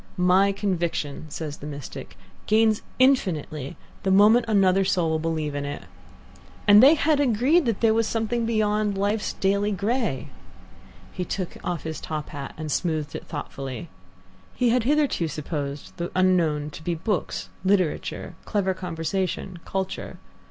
"My conviction," says the mystic, "gains infinitely the moment another soul will believe in it," and they had agreed that there was something beyond life's daily grey. He took off his top hat and smoothed it thoughtfully. He had hitherto supposed the unknown to be books, literature, clever conversation, culture.